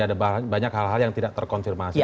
ada banyak hal hal yang tidak terkonfirmasi